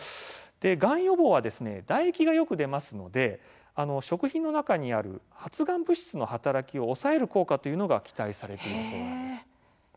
がん予防は唾液がよく出ますので食品の中にある発がん物質の働きを抑える効果というのが期待されるそうなんです。